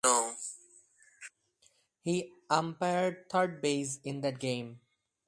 He umpired third base in that game.